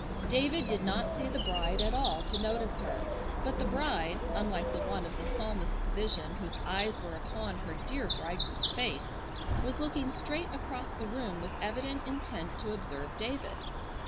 David did not see the bride at all to notice her, but the bride, unlike the one of the psalmist's vision whose eyes were upon "her dear bridegroom's face," was looking straight across the room with evident intent to observe David.